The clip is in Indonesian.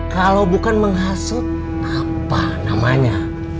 kalau bukan menghasut apa namanya